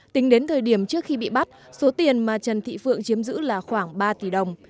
tính đến thời điểm trước khi bị bắt số tiền mà trần thị phượng chiếm giữ là khoảng ba tỷ đồng